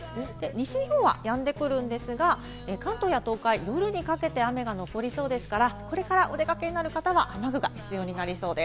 西日本はやんでくるんですが、関東や東海、夜にかけて雨が降りそうですから、これからお出かけになる方は雨具が必要になりそうです。